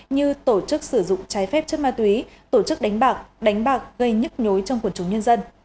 như tổ chức sử dụng trái phép chất ma túy tổ chức đánh bạc đánh bạc gây nhức nhối trong quần chúng nhân dân